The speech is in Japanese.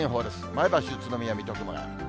前橋、宇都宮、水戸、熊谷。